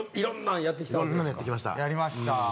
色んなのやってきました。